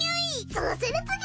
そうするつぎ！